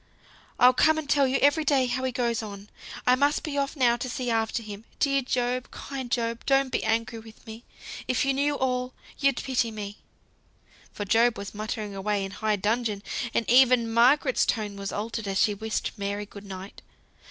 I'll come and tell you every day how he goes on. I must be off now to see after him. Dear Job! kind Job! don't be angry with me. If you knew all you'd pity me." For Job was muttering away in high dudgeon, and even Margaret's tone was altered as she wished Mary good night.